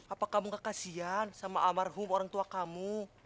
apa kamu kekasian sama amharhum orang tua kamu